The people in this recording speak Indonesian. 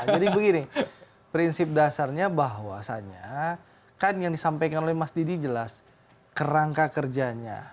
jadi begini prinsip dasarnya bahwasannya kan yang disampaikan oleh mas didi jelas kerangka kerjanya